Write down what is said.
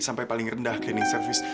sampai paling rendah cleaning service